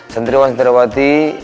satriwan dan satriwati